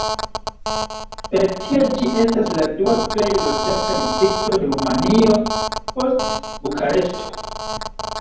Per tio ĝi estas la dua plej loĝata distrikto de Rumanio, post Bukareŝto.